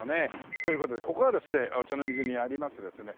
という事でここはですね御茶ノ水にありますですね